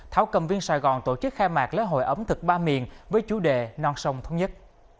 thảo cầm viên sài gòn tổ chức khai mạc lễ hội ẩm thực ba miền với chủ đề non sông thống nhất